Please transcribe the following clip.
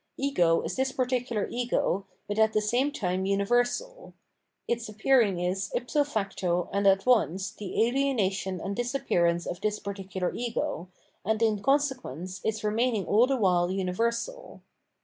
Ego is this particular ego, but at the same time universal ; its appearing is ifso facto and at once the alienation and disappear ance of this particular ego, and in consequence its remaining aU the while universal.